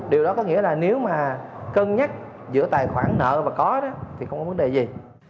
điều đó có nghĩa là nếu mà cân nhắc giữa tài khoản nợ và có đó thì không có vấn đề gì